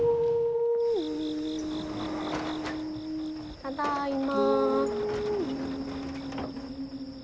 ただいま。